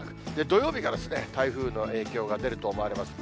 土曜日が台風の影響が出ると思われます。